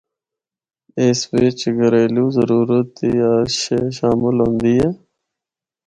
اس وچ کہریلو ضرورت دی ہر شے شامل ہوندی اے۔